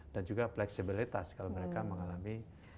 dan juga fleksibilitas kalau mereka mengalami